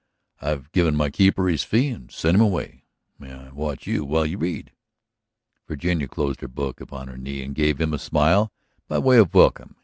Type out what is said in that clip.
"I have given my keeper his fee and sent him away. May I watch you while you read?" Virginia closed her book upon her knee and gave him a smile by way of welcome.